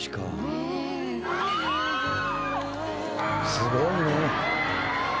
すごいね。